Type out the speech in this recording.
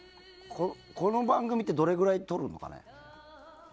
この番組って、どれぐらい取るのかね？